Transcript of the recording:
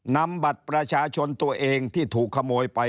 นำบัตรประชาชนตัวเองที่ถูกขโมยไป